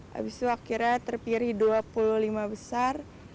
habis itu akhirnya terpilih dua puluh lima besar